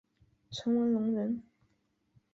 陈文龙人。